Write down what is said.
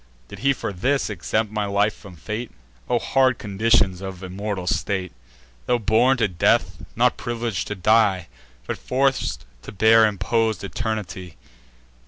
Did he for this exempt my life from fate? O hard conditions of immortal state, Tho' born to death, not privileg'd to die, But forc'd to bear impos'd eternity!